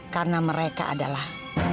karena mereka adalah